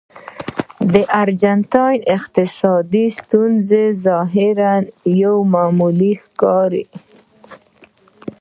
د ارجنټاین اقتصادي ستونزه ظاهراً یوه معما ښکاري.